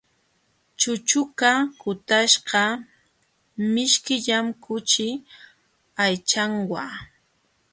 Chuchuqa kutaśhqa mishkillam kuchi aychanwa.